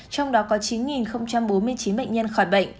trong đó có chín bốn mươi chín bệnh nhân khỏi bệnh